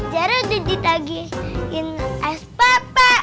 zara udah ditagiin spp